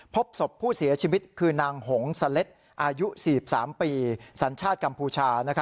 พบศพผู้เสียชีวิตคือนางหงสเล็ดอายุ๔๓ปีสัญชาติกัมพูชา